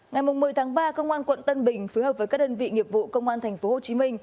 ngày một mươi tháng ba công an quận tân bình phối hợp với các đơn vị nghiệp vụ công an tp hcm